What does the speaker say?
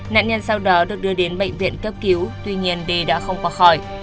nạn nhân sau đó được đưa đến bệnh viện cấp cứu tuy nhiên đề đã không bỏ khỏi